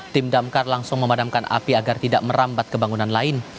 tim damkar langsung memadamkan api agar tidak merambat ke bangunan lain